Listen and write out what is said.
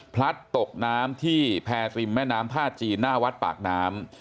พลัดตกน้ำที่แพรริมแม่น้ำท่าจีนหน้าวัดปากน้ำ